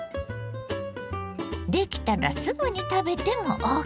出来たらすぐに食べてもＯＫ！